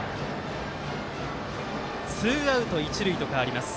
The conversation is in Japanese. ツーアウト、一塁と変わります。